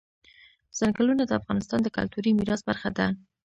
ځنګلونه د افغانستان د کلتوري میراث برخه ده.